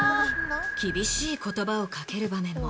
厳しい言葉をかける場面も。